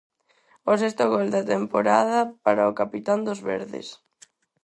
O sexto gol da temporada para o capitán dos verdes.